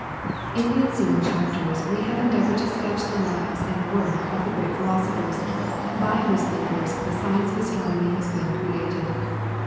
In the ensuing chapters we have endeavoured to sketch the lives and the work of the great philosophers, by whose labours the science of astronomy has been created.